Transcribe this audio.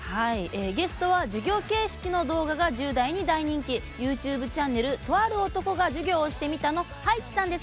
ゲストは授業形式の動画が１０代に大人気ＹｏｕＴｕｂｅチャンネル「とある男たちが授業をしてみた」の葉一さんです。